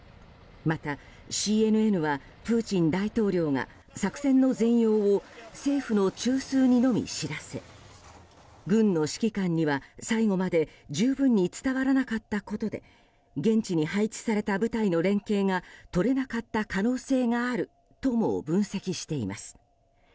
また、ＣＮＮはプーチン大統領が作戦の全容を政府の中枢にのみ知らせ軍の指揮官には最後まで十分に伝わらなかったことで現地に配置された部隊の連携がとれなかった可能性があるとも分析しています。